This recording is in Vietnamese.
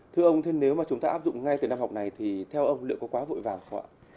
thưa ông thế nếu mà chúng ta áp dụng ngay từ năm học này thì theo ông liệu có quá vội vàng không ạ